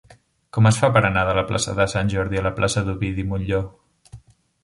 Com es fa per anar de la plaça de Sant Jordi a la plaça d'Ovidi Montllor?